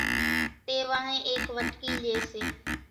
تيوانۿين ايڪ وٽڪي لئي سي